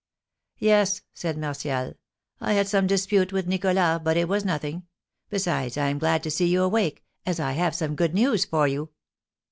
"Yes," said Martial, "I had some dispute with Nicholas, but it was nothing. Besides, I am glad to see you awake, as I have some good news for you."